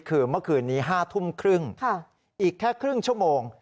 คือเมื่อคืนนี้๕ทุ่มครึ่งอีกแค่ครึ่งชั่วโมง